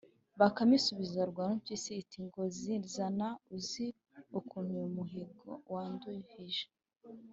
“bakame isubiza warupyisi iti: “ngo zizana! uzi ukuntu uyu muhigo wanduhije?